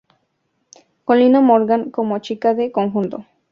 Con Lina Morgan como chica de conjunto.